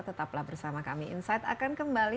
tetaplah bersama kami insight akan kembali